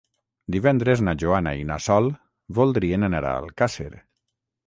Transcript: Divendres na Joana i na Sol voldrien anar a Alcàsser.